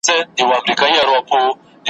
نن به ځم سبا به ځمه بس له ډار سره مي ژوند دی ,